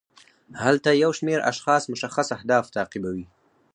هلته یو شمیر اشخاص مشخص اهداف تعقیبوي.